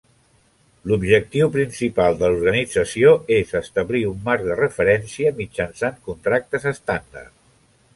L'objectiu principal de l'organització és establir un marc de referència mitjançant contractes estàndard.